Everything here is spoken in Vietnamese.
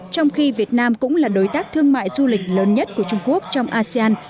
trong khi việt nam cũng là đối tác thương mại du lịch lớn nhất của trung quốc trong asean